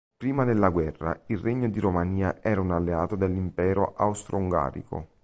Prima della guerra, il regno di Romania era un alleato dell'Impero austro-ungarico.